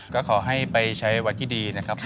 ก็ขอให้ไปใช้วันที่ดีนะครับ